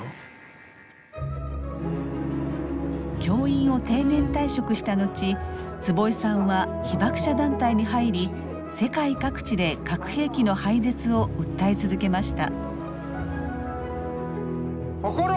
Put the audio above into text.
教員を定年退職した後坪井さんは被爆者団体に入り世界各地で核兵器の廃絶を訴え続けました。